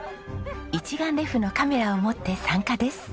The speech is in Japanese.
一眼レフのカメラを持って参加です。